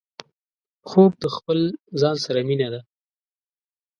خوب د خپل ځان سره مينه ده